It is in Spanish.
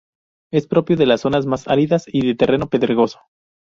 Es propio de las zonas más áridas y de terreno pedregoso.